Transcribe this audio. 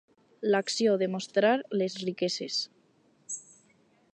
L'acció de mostrar les riqueses.